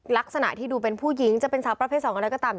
ลักษณะที่ดูเป็นผู้หญิงจะเป็นสาวประเภท๒อะไรก็ตาม